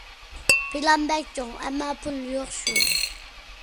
پىلان بەك چوڭ، ئەمما پۇل يوق شۇ.